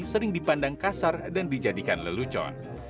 sering dipandang kasar dan dijadikan lelucon